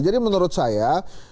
jadi menurut saya